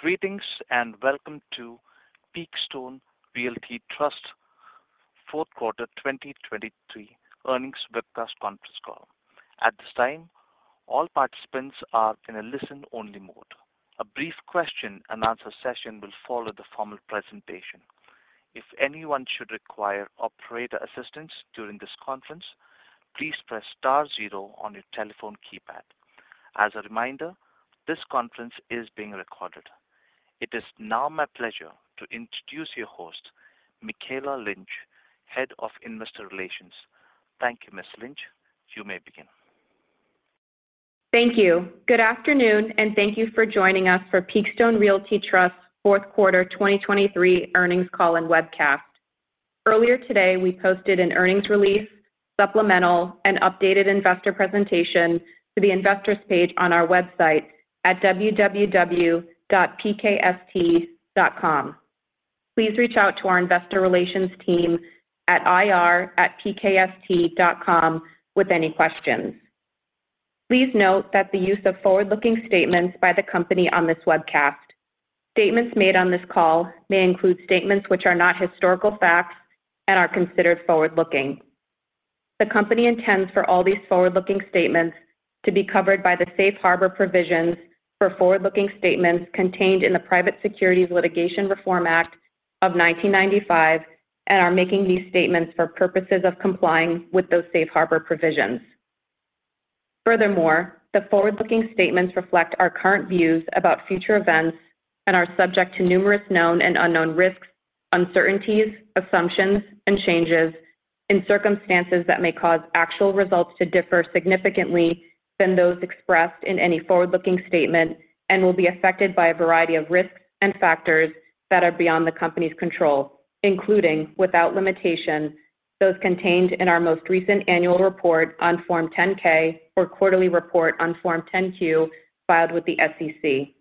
Greetings and welcome to Peakstone Realty Trust, fourth quarter 2023 earnings webcast conference call. At this time, all participants are in a listen-only mode. A brief question-and-answer session will follow the formal presentation. If anyone should require operator assistance during this conference, please press star zero on your telephone keypad. As a reminder, this conference is being recorded. It is now my pleasure to introduce your host, Mikayla Lynch, head of investor relations. Thank you, Ms. Lynch. You may begin. Thank you. Good afternoon, and thank you for joining us for Peakstone Realty Trust fourth quarter 2023 earnings call and webcast. Earlier today, we posted an earnings release, supplemental, and updated investor presentation to the investors page on our website at www.pkst.com. Please reach out to our investor relations team at ir@pkst.com with any questions. Please note that the use of forward-looking statements by the company on this webcast. Statements made on this call may include statements which are not historical facts and are considered forward-looking. The company intends for all these forward-looking statements to be covered by the Safe Harbor provisions for forward-looking statements contained in the Private Securities Litigation Reform Act of 1995 and are making these statements for purposes of complying with those Safe Harbor provisions. Furthermore, the forward-looking statements reflect our current views about future events and are subject to numerous known and unknown risks, uncertainties, assumptions, and changes in circumstances that may cause actual results to differ significantly than those expressed in any forward-looking statement and will be affected by a variety of risks and factors that are beyond the company's control, including, without limitation, those contained in our most recent annual report on Form 10-K or quarterly report on Form 10-Q filed with the SEC.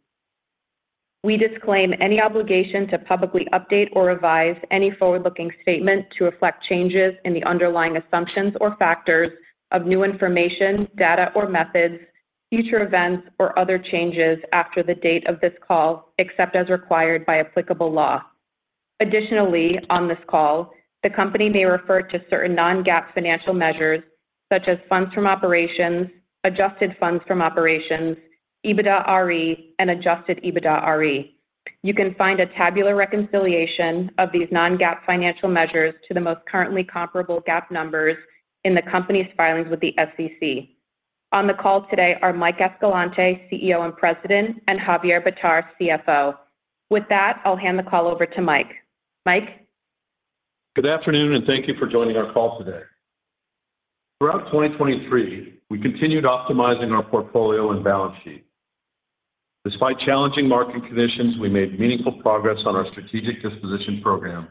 We disclaim any obligation to publicly update or revise any forward-looking statement to reflect changes in the underlying assumptions or factors of new information, data, or methods, future events, or other changes after the date of this call, except as required by applicable law. Additionally, on this call, the company may refer to certain non-GAAP financial measures such as funds from operations, adjusted funds from operations, EBITDAre, and adjusted EBITDAre. You can find a tabular reconciliation of these non-GAAP financial measures to the most currently comparable GAAP numbers in the company's filings with the SEC. On the call today are Mike Escalante, CEO and President, and Javier Bitar, CFO. With that, I'll hand the call over to Mike. Mike? Good afternoon, and thank you for joining our call today. Throughout 2023, we continued optimizing our portfolio and balance sheet. Despite challenging market conditions, we made meaningful progress on our strategic disposition program,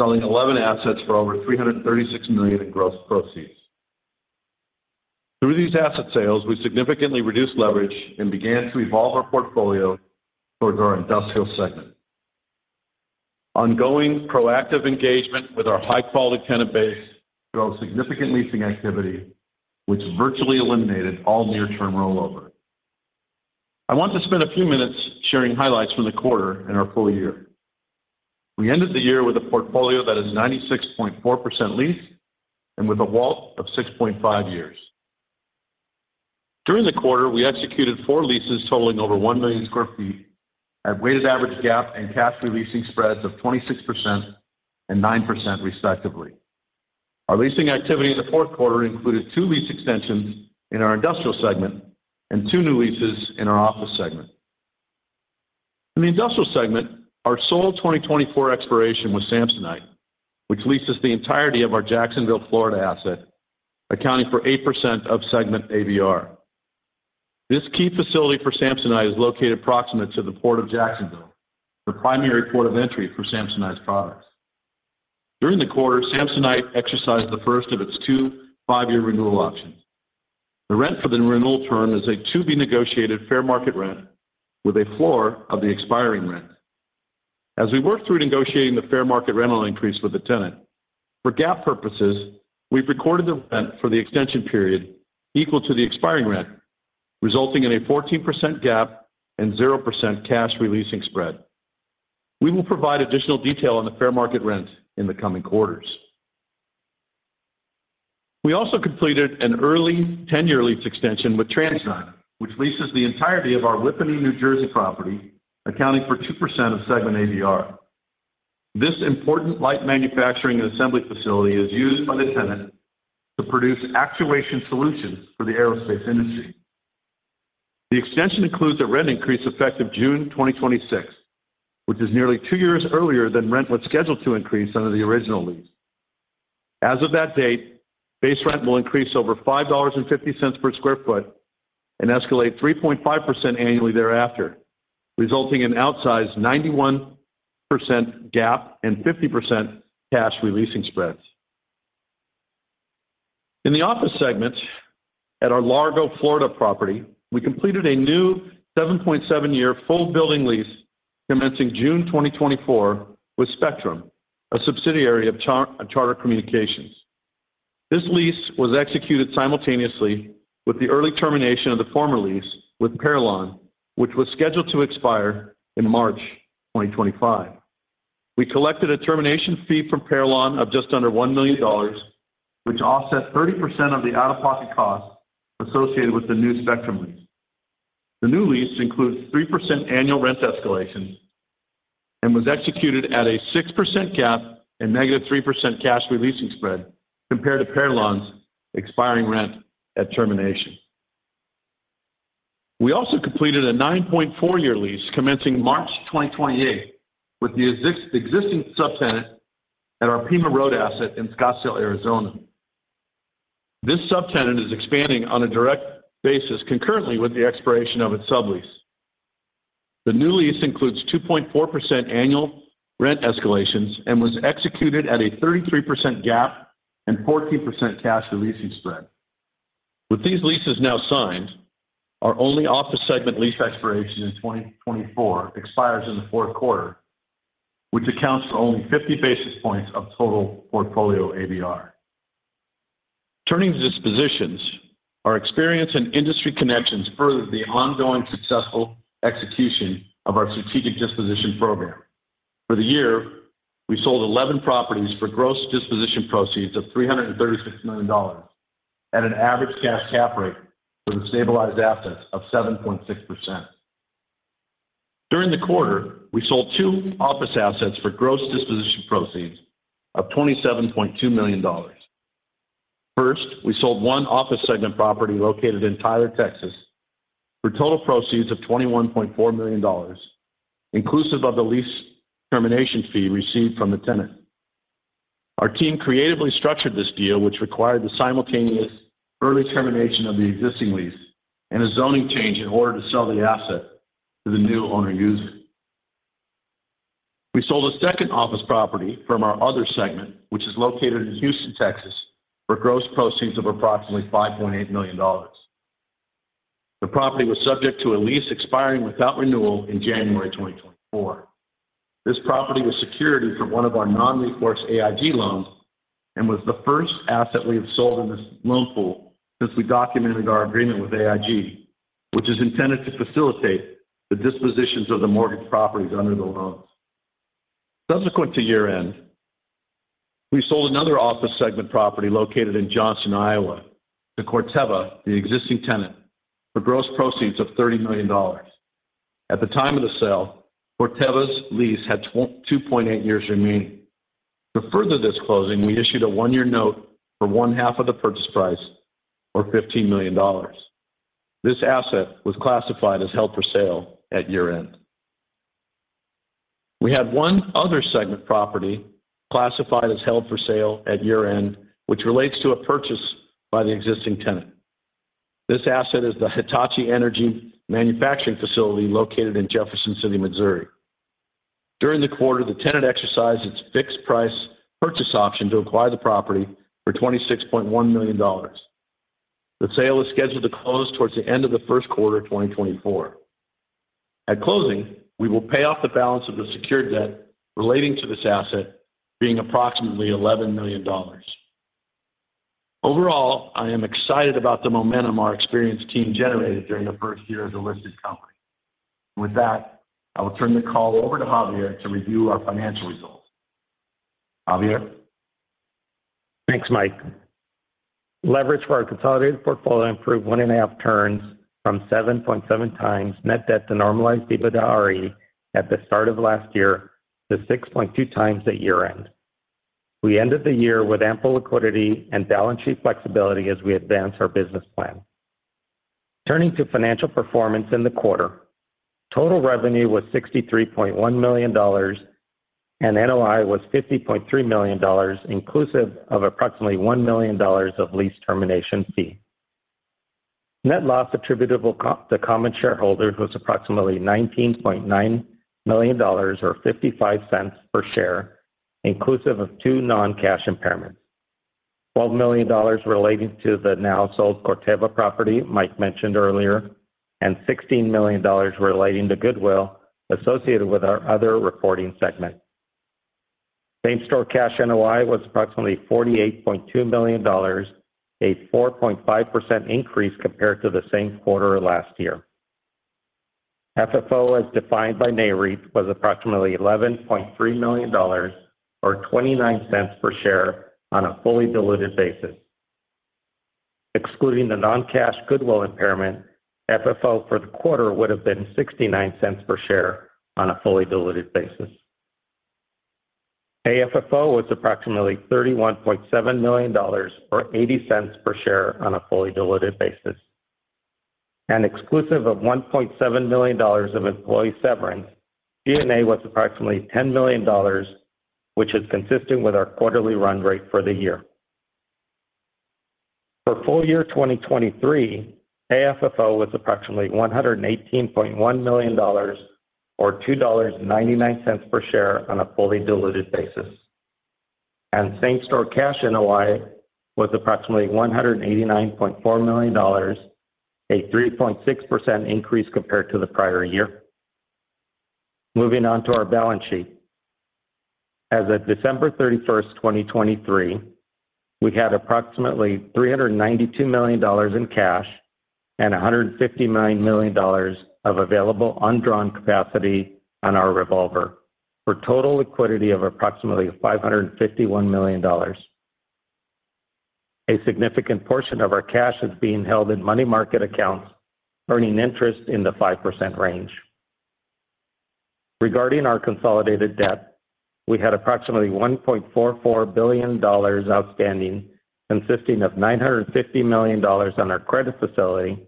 selling 11 assets for over $336 million in gross proceeds. Through these asset sales, we significantly reduced leverage and began to evolve our portfolio towards our industrial segment. Ongoing proactive engagement with our high-quality tenant base drove significant leasing activity, which virtually eliminated all near-term rollover. I want to spend a few minutes sharing highlights from the quarter and our full year. We ended the year with a portfolio that is 96.4% leased and with a WALT of 6.5 years. During the quarter, we executed four leases totaling over 1 million sq ft at weighted average GAAP and cash re-leasing spreads of 26% and 9%, respectively. Our leasing activity in the fourth quarter included two lease extensions in our industrial segment and two new leases in our office segment. In the industrial segment, our sole 2024 expiration was Samsonite, which leases the entirety of our Jacksonville, Florida asset, accounting for 8% of segment ABR. This key facility for Samsonite is located proximate to the Port of Jacksonville, the primary port of entry for Samsonite's products. During the quarter, Samsonite exercised the first of its two five-year renewal options. The rent for the renewal term is a to-be-negotiated fair market rent with a floor of the expiring rent. As we work through negotiating the fair market rental increase with the tenant, for GAAP purposes, we've recorded the rent for the extension period equal to the expiring rent, resulting in a 14% gap and 0% cash re-leasing spread. We will provide additional detail on the fair market rent in the coming quarters. We also completed an early 10-year lease extension with TransDigm, which leases the entirety of our Whippany, New Jersey, property, accounting for 2% of segment ABR. This important light manufacturing and assembly facility is used by the tenant to produce actuation solutions for the aerospace industry. The extension includes a rent increase effective June 2026, which is nearly 2 years earlier than rent was scheduled to increase under the original lease. As of that date, base rent will increase over $5.50 per sq ft and escalate 3.5% annually thereafter, resulting in outsized 91% GAAP and 50% cash re-leasing spreads. In the office segment at our Largo, Florida property, we completed a new 7.7-year full building lease commencing June 2024 with Spectrum, a subsidiary of Charter Communications. This lease was executed simultaneously with the early termination of the former lease with Parallon, which was scheduled to expire in March 2025. We collected a termination fee from Parallon of just under $1 million, which offset 30% of the out-of-pocket costs associated with the new Spectrum lease. The new lease includes 3% annual rent escalation and was executed at a 6% GAAP and -3% cash re-leasing spread compared to Parallon's expiring rent at termination. We also completed a 9.4-year lease commencing March 2028 with the existing subtenant at our Pima Road asset in Scottsdale, Arizona. This subtenant is expanding on a direct basis concurrently with the expiration of its sublease. The new lease includes 2.4% annual rent escalations and was executed at a 33% GAAP and 14% cash re-leasing spread. With these leases now signed, our only office segment lease expiration in 2024 expires in the fourth quarter, which accounts for only 50 basis points of total portfolio ABR. Turning to dispositions, our experience and industry connections furthered the ongoing successful execution of our strategic disposition program. For the year, we sold 11 properties for gross disposition proceeds of $336 million at an average cash cap rate for the stabilized assets of 7.6%. During the quarter, we sold two office assets for gross disposition proceeds of $27.2 million. First, we sold one office segment property located in Tyler, Texas, for total proceeds of $21.4 million, inclusive of the lease termination fee received from the tenant. Our team creatively structured this deal, which required the simultaneous early termination of the existing lease and a zoning change in order to sell the asset to the new owner-user. We sold a second office property from our Other segment, which is located in Houston, Texas, for gross proceeds of approximately $5.8 million. The property was subject to a lease expiring without renewal in January 2024. This property was security for one of our non-recourse AIG loans and was the first asset we have sold in this loan pool since we documented our agreement with AIG, which is intended to facilitate the dispositions of the mortgaged properties under the loans. Subsequent to year-end, we sold another office segment property located in Johnston, Iowa, to Corteva, the existing tenant, for gross proceeds of $30 million. At the time of the sale, Corteva's lease had 2.8 years remaining. To further this closing, we issued a one-year note for one-half of the purchase price, or $15 million. This asset was classified as held for sale at year-end. We had one other segment property classified as held for sale at year-end, which relates to a purchase by the existing tenant. This asset is the Hitachi Energy manufacturing facility located in Jefferson City, Missouri. During the quarter, the tenant exercised its fixed-price purchase option to acquire the property for $26.1 million. The sale is scheduled to close towards the end of the first quarter of 2024. At closing, we will pay off the balance of the secured debt relating to this asset being approximately $11 million. Overall, I am excited about the momentum our experienced team generated during the first year as a listed company. With that, I will turn the call over to Javier to review our financial results. Javier? Thanks, Mike. Leverage for our consolidated portfolio improved 1.5 turns from 7.7x net debt to normalized EBITDAre at the start of last year to 6.2x at year-end. We ended the year with ample liquidity and balance sheet flexibility as we advanced our business plan. Turning to financial performance in the quarter, total revenue was $63.1 million, and NOI was $50.3 million, inclusive of approximately $1 million of lease termination fee. Net loss attributable to common shareholders was approximately $19.9 million, or $0.55 per share, inclusive of two non-cash impairments: $12 million relating to the now-sold Corteva property Mike mentioned earlier and $16 million relating to Goodwill associated with our other reporting segment. Same-Store Cash NOI was approximately $48.2 million, a 4.5% increase compared to the same quarter last year. FFO, as defined by Nareit, was approximately $11.3 million, or $0.29 per share on a fully diluted basis. Excluding the non-cash Goodwill impairment, FFO for the quarter would have been $0.69 per share on a fully diluted basis. AFFO was approximately $31.7 million, or $0.80 per share on a fully diluted basis. Exclusive of $1.7 million of employee severance, G&A was approximately $10 million, which is consistent with our quarterly run rate for the year. For full year 2023, AFFO was approximately $118.1 million, or $2.99 per share on a fully diluted basis. Same Store Cash NOI was approximately $189.4 million, a 3.6% increase compared to the prior year. Moving on to our balance sheet. As of December 31st, 2023, we had approximately $392 million in cash and $159 million of available undrawn capacity on our revolver for total liquidity of approximately $551 million. A significant portion of our cash is being held in money market accounts, earning interest in the 5% range. Regarding our consolidated debt, we had approximately $1.44 billion outstanding, consisting of $950 million on our credit facility,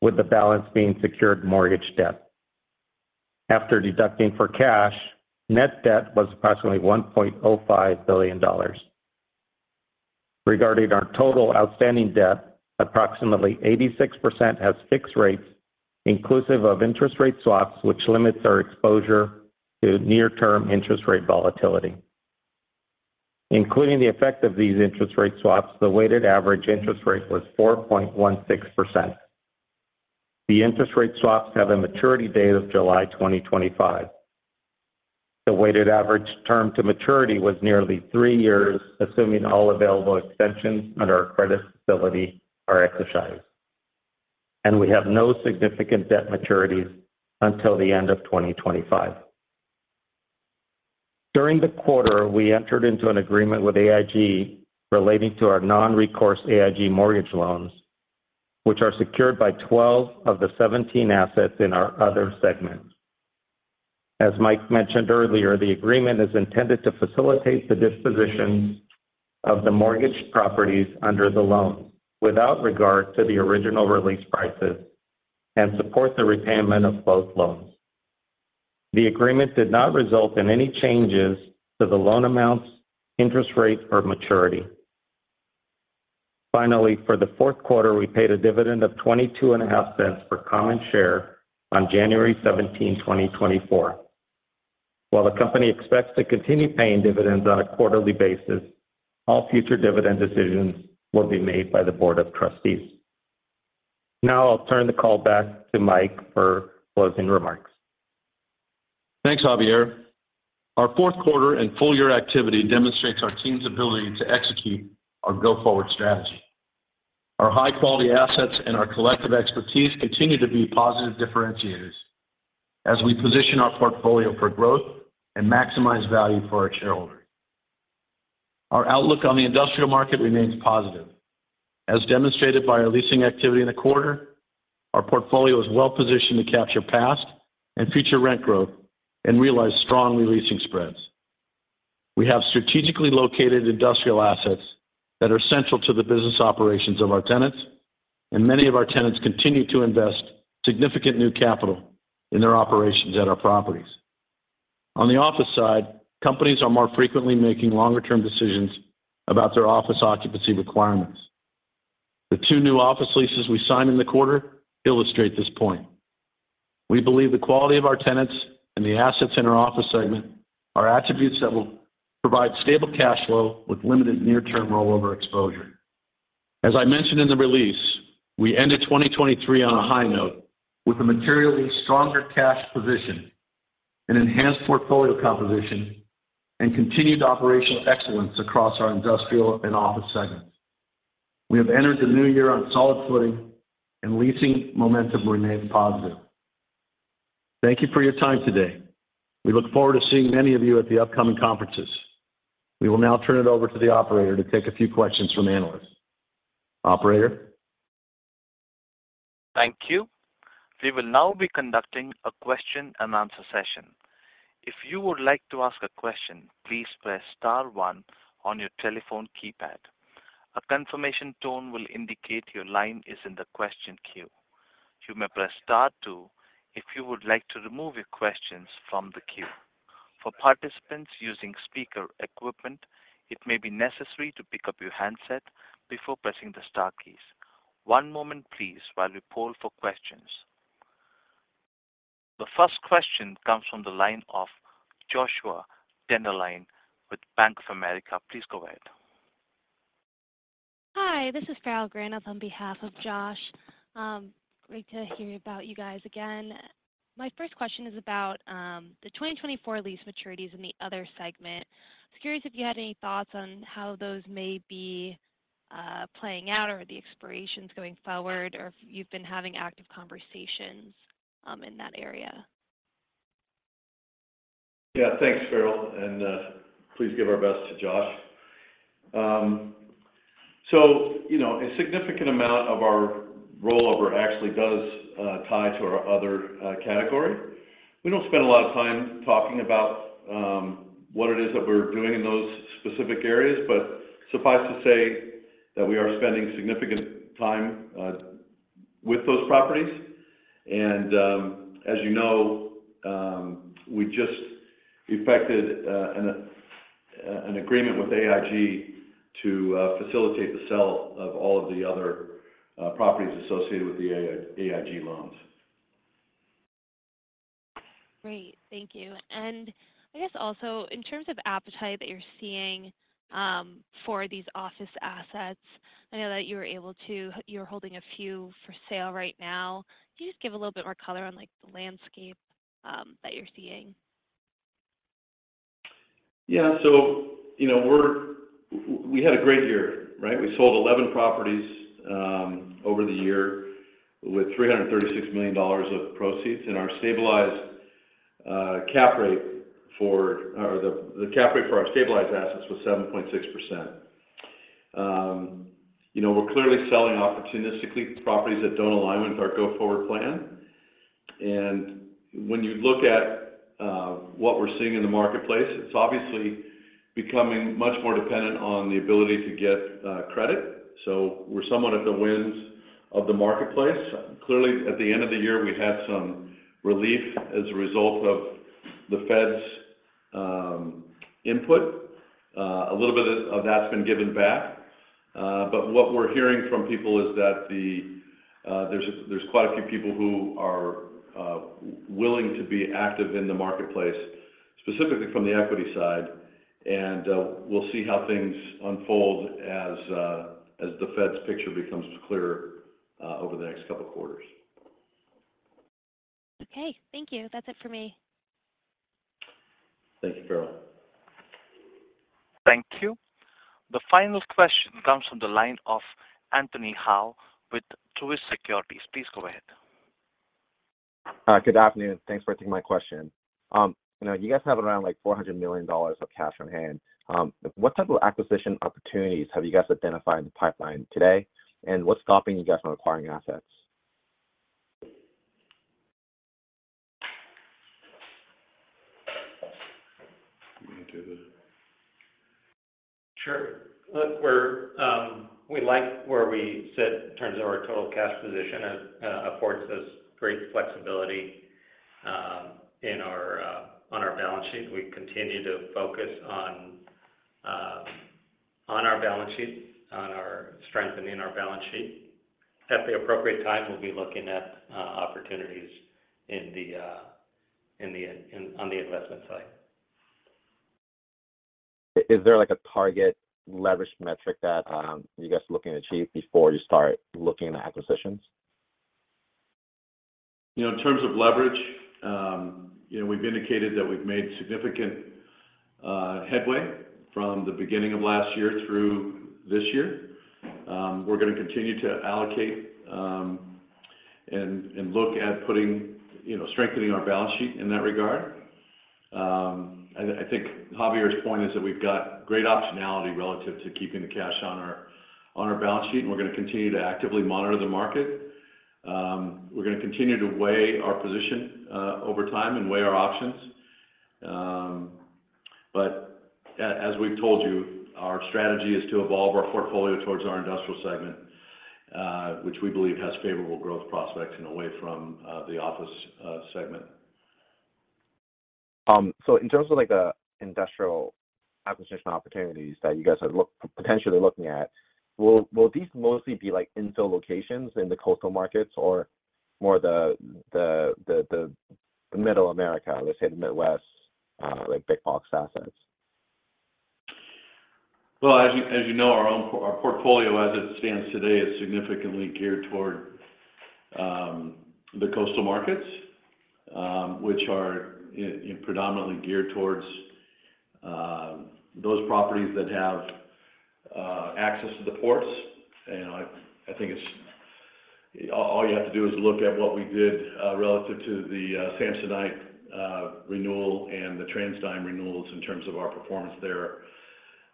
with the balance being secured mortgage debt. After deducting for cash, net debt was approximately $1.05 billion. Regarding our total outstanding debt, approximately 86% has fixed rates, inclusive of interest rate swaps, which limits our exposure to near-term interest rate volatility. Including the effect of these interest rate swaps, the weighted average interest rate was 4.16%. The interest rate swaps have a maturity date of July 2025. The weighted average term to maturity was nearly three years, assuming all available extensions under our credit facility are exercised. We have no significant debt maturities until the end of 2025. During the quarter, we entered into an agreement with AIG relating to our non-recourse AIG mortgage loans, which are secured by 12 of the 17 assets in our Other segment. As Mike mentioned earlier, the agreement is intended to facilitate the dispositions of the mortgaged properties under the loans without regard to the original release prices and support the repayment of both loans. The agreement did not result in any changes to the loan amounts, interest rates, or maturity. Finally, for the fourth quarter, we paid a dividend of $0.225 per common share on January 17th, 2024. While the company expects to continue paying dividends on a quarterly basis, all future dividend decisions will be made by the board of trustees. Now I'll turn the call back to Mike for closing remarks. Thanks, Javier. Our fourth quarter and full-year activity demonstrates our team's ability to execute our go-forward strategy. Our high-quality assets and our collective expertise continue to be positive differentiators as we position our portfolio for growth and maximize value for our shareholders. Our outlook on the industrial market remains positive. As demonstrated by our leasing activity in the quarter, our portfolio is well positioned to capture past and future rent growth and realize strong releasing spreads. We have strategically located industrial assets that are central to the business operations of our tenants, and many of our tenants continue to invest significant new capital in their operations at our properties. On the office side, companies are more frequently making longer-term decisions about their office occupancy requirements. The two new office leases we signed in the quarter illustrate this point. We believe the quality of our tenants and the assets in our office segment are attributes that will provide stable cash flow with limited near-term rollover exposure. As I mentioned in the release, we ended 2023 on a high note with a materially stronger cash position, an enhanced portfolio composition, and continued operational excellence across our industrial and office segments. We have entered the new year on solid footing, and leasing momentum remains positive. Thank you for your time today. We look forward to seeing many of you at the upcoming conferences. We will now turn it over to the operator to take a few questions from analysts. Operator? Thank you. We will now be conducting a question-and-answer session. If you would like to ask a question, please press star one on your telephone keypad. A confirmation tone will indicate your line is in the question queue. You may press star two if you would like to remove your questions from the queue. For participants using speaker equipment, it may be necessary to pick up your handset before pressing the star keys. One moment, please, while we poll for questions. The first question comes from the line of Joshua Dennerline with Bank of America. Please go ahead. Hi. This is Farah Grandt on behalf of Josh. Great to hear about you guys again. My first question is about the 2024 lease maturities in the other segment. I was curious if you had any thoughts on how those may be playing out or the expirations going forward, or if you've been having active conversations in that area. Yeah. Thanks, Farah. And please give our best to Josh. So a significant amount of our rollover actually does tie to our Other category. We don't spend a lot of time talking about what it is that we're doing in those specific areas, but suffice to say that we are spending significant time with those properties. And as you know, we just effected an agreement with AIG to facilitate the sale of all of the Other properties associated with the AIG loans. Great. Thank you. And I guess also, in terms of appetite that you're seeing for these office assets, I know that you're holding a few for sale right now. Can you just give a little bit more color on the landscape that you're seeing? Yeah. So we had a great year, right? We sold 11 properties over the year with $336 million of proceeds, and our stabilized cap rate for or the cap rate for our stabilized assets was 7.6%. We're clearly selling opportunistically properties that don't align with our go-forward plan. And when you look at what we're seeing in the marketplace, it's obviously becoming much more dependent on the ability to get credit. So we're somewhat at the whims of the marketplace. Clearly, at the end of the year, we had some relief as a result of the Fed's input. A little bit of that's been given back. But what we're hearing from people is that there's quite a few people who are willing to be active in the marketplace, specifically from the equity side. We'll see how things unfold as the Fed's picture becomes clearer over the next couple of quarters. Okay. Thank you. That's it for me. Thank you, Farah. Thank you. The final question comes from the line of Anthony Hau with Truist Securities. Please go ahead. Good afternoon. Thanks for taking my question. You guys have around $400 million of cash on hand. What type of acquisition opportunities have you guys identified in the pipeline today, and what's stopping you guys from acquiring assets? Let me do that. Sure. We like where we sit in terms of our total cash position. It affords us great flexibility on our balance sheet. We continue to focus on our balance sheet, on strengthening our balance sheet. At the appropriate time, we'll be looking at opportunities on the investment side. Is there a target leverage metric that you guys are looking to achieve before you start looking at acquisitions? In terms of leverage, we've indicated that we've made significant headway from the beginning of last year through this year. We're going to continue to allocate and look at strengthening our balance sheet in that regard. I think Javier's point is that we've got great optionality relative to keeping the cash on our balance sheet, and we're going to continue to actively monitor the market. We're going to continue to weigh our position over time and weigh our options. But as we've told you, our strategy is to evolve our portfolio towards our industrial segment, which we believe has favorable growth prospects and away from the office segment. In terms of the industrial acquisition opportunities that you guys are potentially looking at, will these mostly be infill locations in the coastal markets or more the middle America, let's say the Midwest, big-box assets? Well, as you know, our portfolio, as it stands today, is significantly geared toward the coastal markets, which are predominantly geared towards those properties that have access to the ports. And I think all you have to do is look at what we did relative to the Samsonite renewal and the TransDigm renewals in terms of our performance there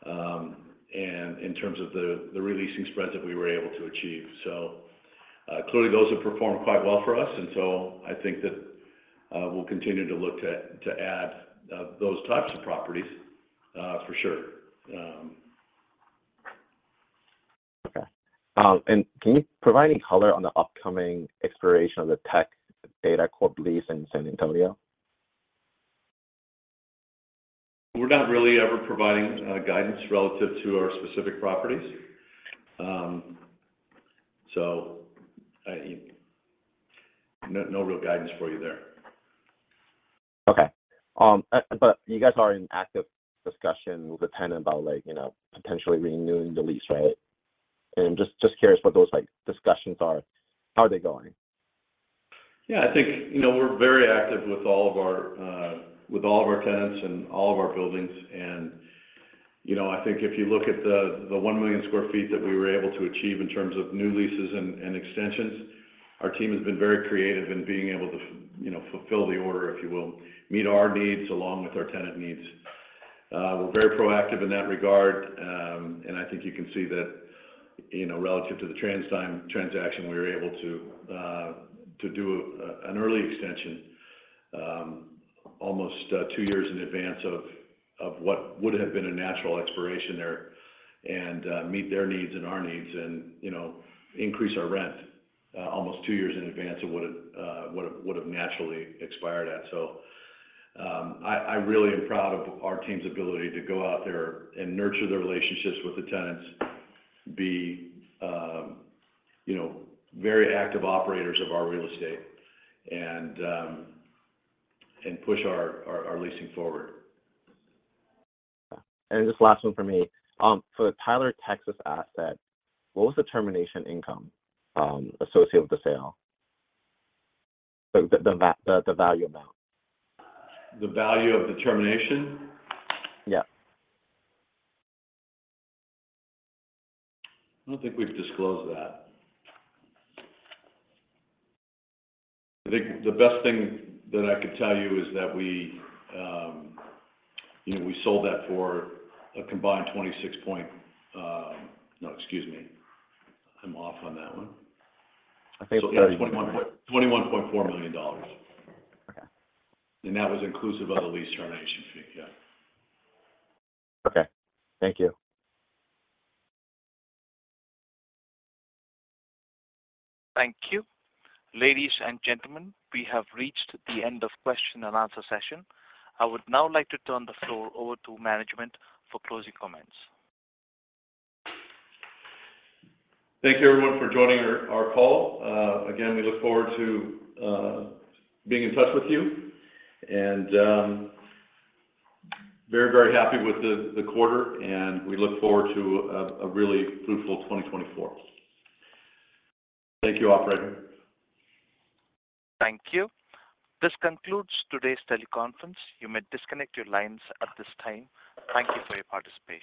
and in terms of the releasing spreads that we were able to achieve. So clearly, those have performed quite well for us. And so I think that we'll continue to look to add those types of properties, for sure. Okay. And can you provide any color on the upcoming expiration of the Tech Data Corp. lease in San Antonio? We're not really ever providing guidance relative to our specific properties. So no real guidance for you there. Okay. But you guys are in active discussion with the tenant about potentially renewing the lease, right? And I'm just curious what those discussions are. How are they going? Yeah. I think we're very active with all of our tenants and all of our buildings. I think if you look at the 1 million sq ft that we were able to achieve in terms of new leases and extensions, our team has been very creative in being able to fulfill the order, if you will, meet our needs along with our tenant needs. We're very proactive in that regard. I think you can see that relative to the TransDigm transaction, we were able to do an early extension almost two years in advance of what would have been a natural expiration there and meet their needs and our needs and increase our rent almost two years in advance of what it would have naturally expired at. I really am proud of our team's ability to go out there and nurture the relationships with the tenants, be very active operators of our real estate, and push our leasing forward. Just last one for me. For the Tyler, Texas asset, what was the termination income associated with the sale, the value amount? The value of the termination? Yep. I don't think we've disclosed that. I think the best thing that I could tell you is that we sold that for a combined 26-point, no, excuse me. I'm off on that one. I think it was 30. So yeah, $21.4 million. And that was inclusive of the lease termination fee. Yeah. Okay. Thank you. Thank you. Ladies and gentlemen, we have reached the end of question-and-answer session. I would now like to turn the floor over to management for closing comments. Thank you, everyone, for joining our call. Again, we look forward to being in touch with you. And very, very happy with the quarter, and we look forward to a really fruitful 2024. Thank you, operator. Thank you. This concludes today's teleconference. You may disconnect your lines at this time. Thank you for your participation.